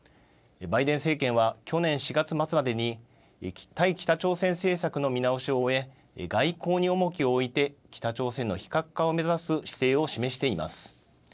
バイデン政権は去年４月末までに対北朝鮮政策の見直しを終え外交に重きを置いて北朝鮮の非核化を目指す姿勢を示しています。